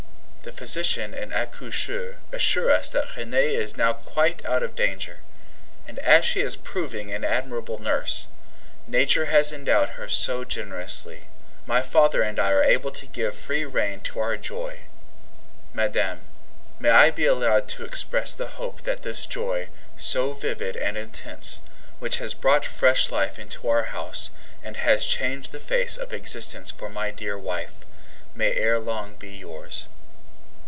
The physician and accoucheur assure us that Renee is now quite out of danger; and as she is proving an admirable nurse Nature has endowed her so generously! my father and I are able to give free rein to our joy. Madame, may I be allowed to express the hope that this joy, so vivid and intense, which has brought fresh life into our house, and has changed the face of existence for my dear wife, may ere long be yours?